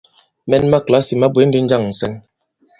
Mɛn ma kìlasì ma bwě ndi njâŋ ǹsɛŋ?